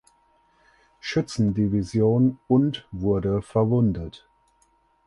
Schützendivision und wurde verwundet.